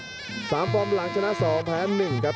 พยายามจะไถ่หน้านี่ครับการต้องเตือนเลยครับ